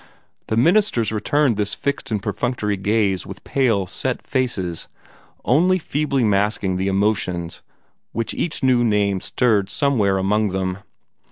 The ministers returned this fixed and perfunctory gaze with pale, set faces, only feebly masking the emotions which each new name stirred somewhere among them.